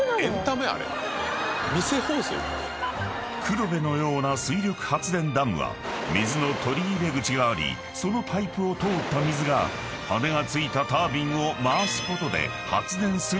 ［黒部のような水力発電ダムは水の取り入れ口がありそのパイプを通った水が羽根が付いたタービンを回すことで発電する仕組み］